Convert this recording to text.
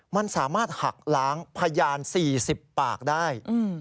มันสามารถหักล้างพยาน๔๐ปากได้